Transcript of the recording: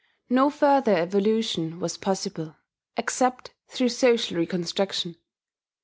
No further evolution was possible, except through social reconstruction.